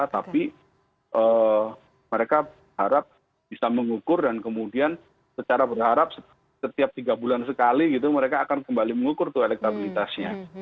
tapi mereka harap bisa mengukur dan kemudian secara berharap setiap tiga bulan sekali gitu mereka akan kembali mengukur tuh elektabilitasnya